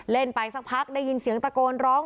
ไปสักพักได้ยินเสียงตะโกนร้อง